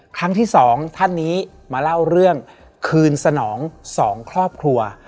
ครั้งที่สองท่านนี้มาเล่าเรื่องคืนสนอง๒ครอบครัว